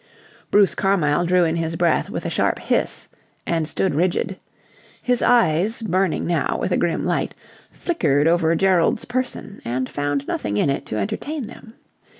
Bruce Carmyle drew in his breath with a sharp hiss, and stood rigid. His eyes, burning now with a grim light, flickered over Gerald's person and found nothing in it to entertain them.